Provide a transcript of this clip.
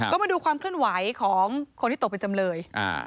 ก็มาดูความเคลื่อนไหวของคนที่ตกเป็นจำเลย